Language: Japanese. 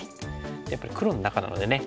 やっぱり黒の中なのでね